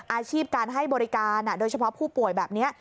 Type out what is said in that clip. อาชีพการให้บริการโดยเฉพาะผู้ป่วยแบบนี้